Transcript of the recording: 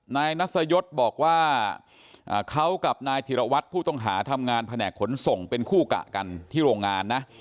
นายนัสยศบอกว่าเขากับนายธิรวัตรผู้ต้องหาทำงานแผนกขนส่งเป็นคู่กะกันที่โรงงานนะ